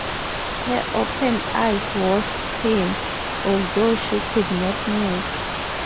Her open eyes watched him, although she could not move.